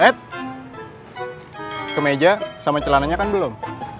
eh ke meja sama celananya kan belum